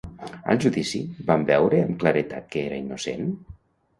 Al judici van veure amb claredat que era innocent?